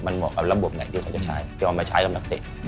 มันเหมาะกับระบบไหนที่เขาจะใช้คือเอามาใช้กับนักเตะ